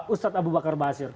ustadz abu bakar basir